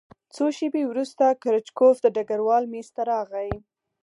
څو شېبې وروسته کروچکوف د ډګروال مېز ته راغی